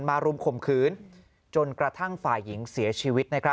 รุมข่มขืนจนกระทั่งฝ่ายหญิงเสียชีวิต